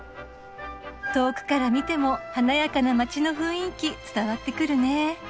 遠くから見ても華やかな街の雰囲気伝わってくるね。